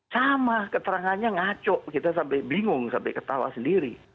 sama keterangannya ngaco kita sampai bingung sampai ketawa sendiri